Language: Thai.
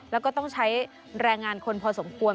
แล้วก็ต้องใช้แรงงานคนพอสมควร